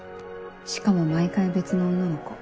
しかも毎回別の女の子。